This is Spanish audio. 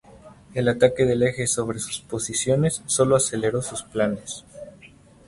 El ataque del Eje sobre sus posiciones sólo aceleró sus planes.